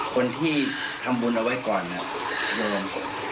คนที่ทำบุญเอาไว้ก่อนน่ะโดรม